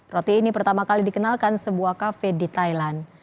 roti ini pertama kali dikenalkan sebuah kafe di thailand